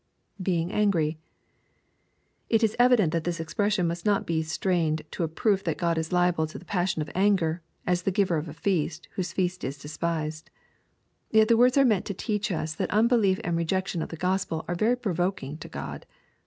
[Being angry."] It is evident that this expression must not be strained into a proof that God is liable to the passion of anger, as the giver of a feast, whose feast is despised. Yet the words are meant to teach us that unbelief and rejection of the Gospel are very provoking to God.